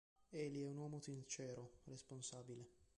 Eli è un uomo sincero, responsabile.